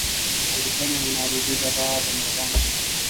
الوتنه یوه ناروغي ده دا د مرغانو فکر دی.